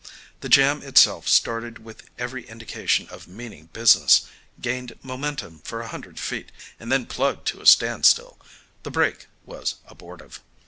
The jam itself started with every indication of meaning business, gained momentum for a hundred feet, and then plugged to a standstill. The "break" was abortive.